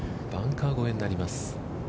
バンカー越えになります。